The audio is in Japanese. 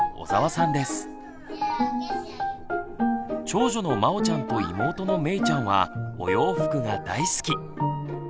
長女のまおちゃんと妹のめいちゃんはお洋服が大好き。